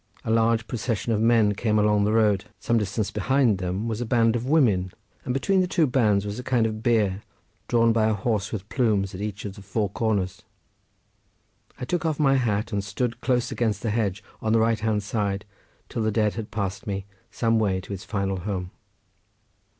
A large procession of men came along the road. Some distance behind them was a band of women, and between the two bands was a kind of bier, drawn by a horse, with plumes at each of the four corners. I took off my hat, and stood close against the hedge on the right hand side till the dead had passed me some way to its final home.